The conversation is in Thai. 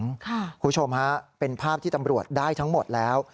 คุณผู้ชมฮะเป็นภาพที่ตำรวจได้ทั้งหมดแล้ว